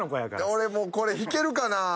俺もうこれ引けるかなぁ。